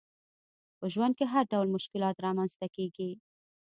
په ژوند کي هرډول مشکلات رامنځته کیږي